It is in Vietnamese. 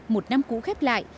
một năm cũ khép lại